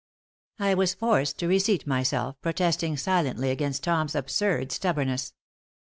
I was forced to reseat myself, protesting silently against Tom's absurd stubbornness.